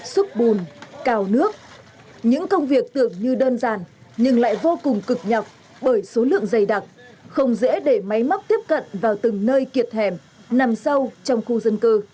xúc bùn cào nước những công việc tưởng như đơn giản nhưng lại vô cùng cực nhọc bởi số lượng dày đặc không dễ để máy móc tiếp cận vào từng nơi kiệt hẻm nằm sâu trong khu dân cư